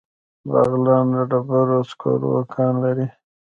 بغلان د ډبرو سکرو کان لري